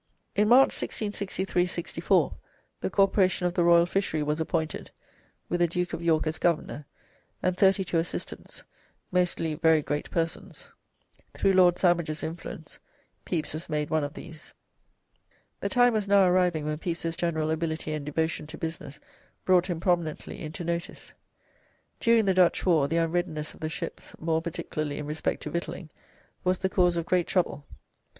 In March, 1663 64, the Corporation of the Royal Fishery was appointed, with the Duke of York as governor, and thirty two assistants, mostly "very great persons." Through Lord Sandwich's influence Pepys was made one of these. The time was now arriving when Pepys's general ability and devotion to business brought him prominently into notice. During the Dutch war the unreadiness of the ships, more particularly in respect to victualling, was the cause of great trouble.